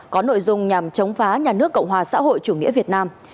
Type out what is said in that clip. có nội dung nhằm chống phá nhà nước cộng hòa xã hội chủ nghĩa việt nam